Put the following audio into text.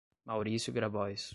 Mauricio Grabois